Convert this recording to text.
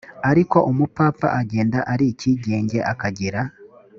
ariko umupfapfa agenda ari icyigenge akagira